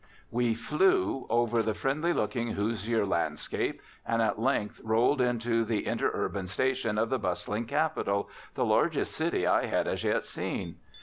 We new over the friendly looking Hoosier landscape, and at length rolled into the interurban station of the bustling capital, the largest city I had as yet seen.